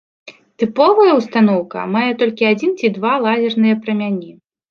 Тыповая ўстаноўка мае толькі адзін ці два лазерныя прамяні.